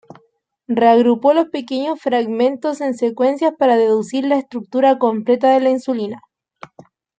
Reagrupó los pequeños fragmentos en secuencias para deducir la estructura completa de la insulina.